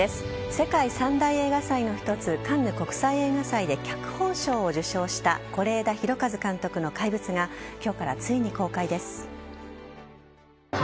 世界三大映画祭の一つカンヌ国際映画祭で脚本賞を受賞した是枝裕和監督の「怪物」が怪物だーれだ。